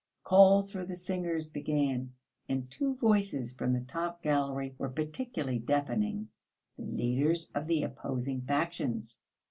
Calls for the singers began, and two voices from the top gallery were particularly deafening the leaders of the opposing factions.